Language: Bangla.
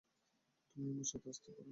তুমি আমার সাথে আসতে পারো।